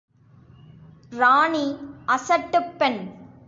ராணி, அசட்டுப் பெண்!